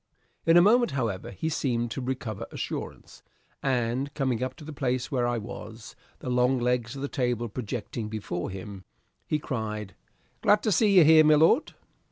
In a moment, however, he seemed to recover assurance, and, coming up to the place where I was, the long legs of the table projecting before him, he cried, "Glad to see you here, my lord!"